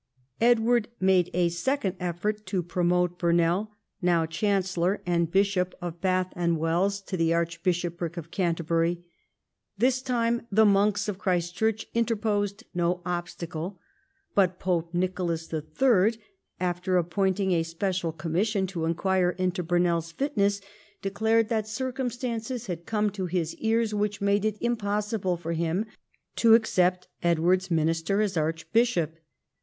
Edward made a second effort to promote Burnell, now Chancellor and Bishop of Bath and Wells, to the archbishopric of Canterbury. This time the monks of Christ Church interposed no obstacle, but Pope Xicolas III., after appointing a special commission to inquire into Burnell's fitness, declared that circumstances had come to his ears which made it impossible for him to accept Edward's minister as archbishop.